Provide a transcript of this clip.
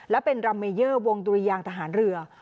และเป็นรัมเมเยอร์วงดุรยางทหารเรือ